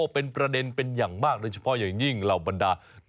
เป็นประเด็นเป็นอย่างมากโดยเฉพาะอย่างยิ่งเหล่าบรรดา